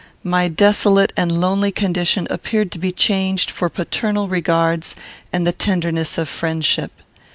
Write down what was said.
My desolate and lonely condition appeared to be changed for paternal regards and the tenderness of friendship.